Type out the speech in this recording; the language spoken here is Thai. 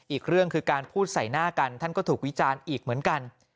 อีกเรื่องคือการพูดใส่หน้ากันท่านก็ถูกวิจารณ์อีกเหมือนกัน